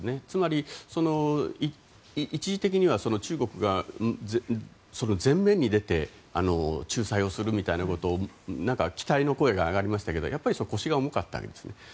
つまり、一時的には中国が前面に出て仲裁をするみたいなことへの期待の声が上がりましたけどやはり腰が重かったわけですね。